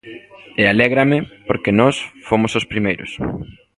E alégrame, porque nós fomos os primeiros.